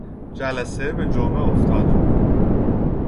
جلسه به جمعه افتاده بود.